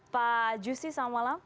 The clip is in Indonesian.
pak yusri selamat malam